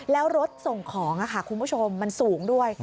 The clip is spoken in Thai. แล้วรถส่งของคุณผู้ชมมันสูงด้วย